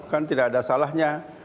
kan tidak ada salahnya